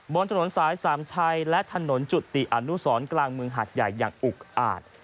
บนถนนสายสามชัยและถนนจุติอนุสรกลางเมืองหาดใหญ่อย่างอุกอาจ